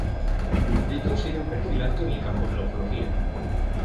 Jacobs tiene un perfil alto en el campo de la ufología.